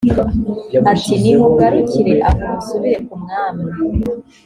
ati nimugarukire aho musubire ku mwami